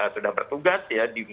sudah bertugas ya di